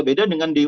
beda dengan di luar